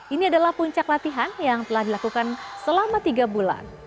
ini adalah puncak latihan yang telah dilakukan selama tiga bulan